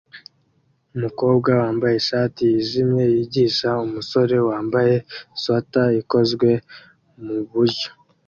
Umukobwa wambaye ishati yijimye yigisha umusore wambaye swater ikozwe muburyo